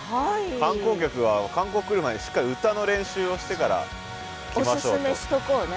観光客は観光来る前にしっかり歌の練習をしてから来ましょうと。おすすめしとこうね。